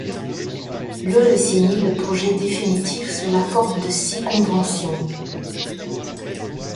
Le est signé le projet définitif sous la forme de six conventions.